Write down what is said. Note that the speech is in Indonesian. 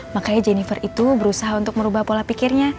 makanya jennifer itu berusaha untuk merubah pola pikirnya